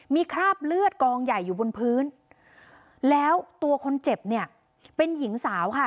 มีคราบเลือดกองใหญ่อยู่บนพื้นแล้วตัวคนเจ็บเนี่ยเป็นหญิงสาวค่ะ